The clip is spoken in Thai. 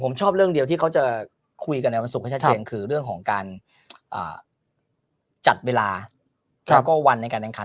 ผมชอบเรื่องเดียวที่เขาจะคุยกันในวันศุกร์ให้ชัดเจนคือเรื่องของการจัดเวลาแล้วก็วันในการแข่งขัน